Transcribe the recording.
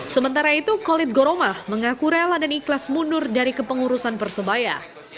sementara itu khalid goromah mengaku rela dan ikhlas mundur dari kepengurusan persebaya